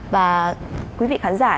và quý vị khán giả